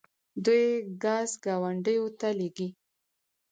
دوی ګاز ګاونډیو ته لیږي.